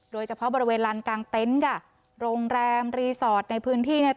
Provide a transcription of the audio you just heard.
โดยเฉพาะบริเวณลานกลางเต็นต์ค่ะโรงแรมรีสอร์ทในพื้นที่เนี่ย